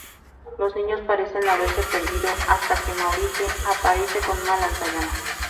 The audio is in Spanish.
Los niños parecen haberse perdido hasta que Maurice aparece con un lanzallamas.